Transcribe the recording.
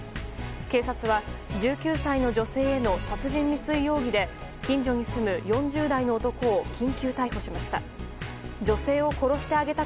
警察は、１９歳の女性への殺人未遂容疑で近所に住む４０代の男を緊急逮捕しました。